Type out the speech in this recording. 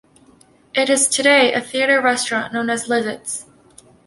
It is today a theatre-restaurant known as "Lizottes".